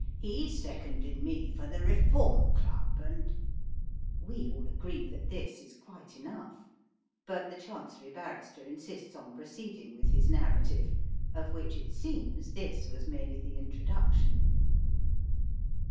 He seconded me for the Reform Club, and " We all agree that this is quite enough; but the Chancery Barrister insists on proceeding with his narrative, of which it seems this was merely the introduction.